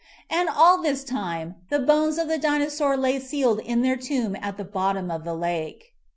And all this time, the bones of the Dinosaur lay sealed in their tomb at the bottom of the lake.